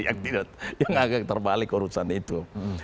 yang agak terbalik urusan itu